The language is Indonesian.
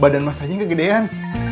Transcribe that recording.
badan mas aja kegedean